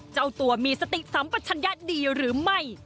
เจ้าตัวมีสติสัมปัชญะดีหรือไม่